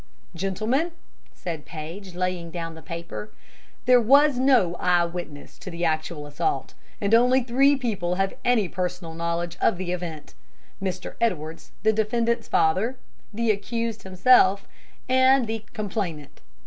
"Gentlemen," said Paige, laying down the paper, "there was no eyewitness to the actual assault; and only three people have any personal knowledge of the event Mr. Edwards, the defendant's father, the accused himself, and the complainant.